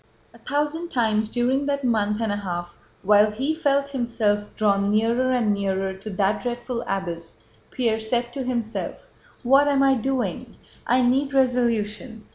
A thousand times during that month and a half while he felt himself drawn nearer and nearer to that dreadful abyss, Pierre said to himself: "What am I doing? I need resolution.